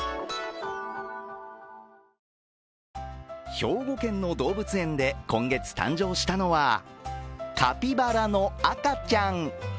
兵庫県の動物園で今月誕生したのはカピバラの赤ちゃん。